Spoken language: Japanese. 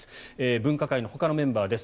分科会のほかのメンバーです。